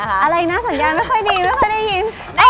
อะไรนะสัญญาณไม่ค่อยดีไม่ค่อยได้ยิน